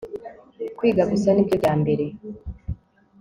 kwiga gusa nibyo byambere